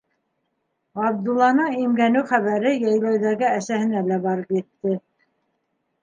Ғабдулланың имгәнеү хәбәре йәйләүҙәге әсәһенә лә барып етте.